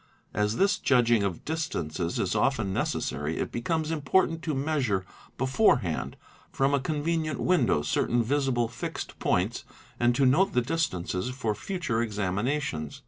As this judging of distances is often necessary, it becomes important to measure before hand from a convenient window certain visible fixed points and to note the distances for future examinations.